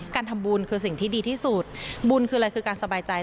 การทำบุญคือสิ่งที่ดีที่สุดบุญคืออะไรคือการสบายใจ